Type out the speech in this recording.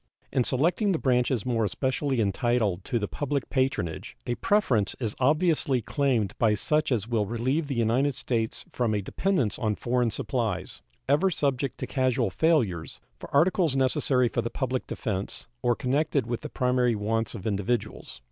In selecting the branches more especially entitled to the public patronage a preference is obviously claimed by such as will relieve the United States from a dependence on foreign supplies, ever subject to casual failures, for articles necessary for the public defense or connected with the primary wants of individuals.